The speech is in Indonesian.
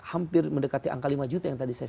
hampir mendekati angka lima juta yang tadi saya